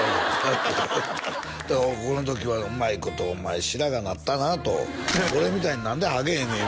みんなこの時は「うまいことお前白髪なったな」と「俺みたいに何でハゲへんねん」